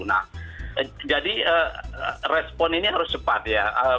nah jadi respon ini harus cepat ya